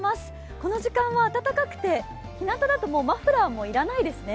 この時間は暖かくてひなただとマフラーも要らないですね。